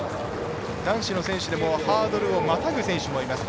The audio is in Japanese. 男子の選手でもハードルをまたぐ選手もいます。